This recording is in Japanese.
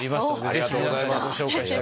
ありがとうございます！